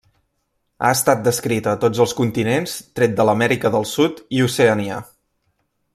Ha estat descrita a tots els continents tret de l'Amèrica del Sud i Oceania.